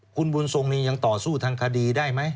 คุณบุญทรงนี้ยังต่อสู้ทางคดีได้ไหม